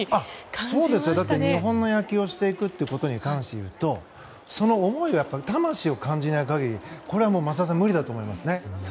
日本の野球をしていくということに関して言うとその思い、魂を感じない限り増田さん、無理だと思いますね。